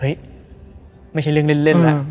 ไม่ใช่เรื่องเล่นแล้ว